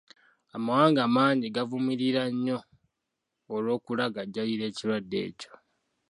Amawanga mangi gamuvumirira nnyo olw'okulagajjalira ekirwadde ekyo.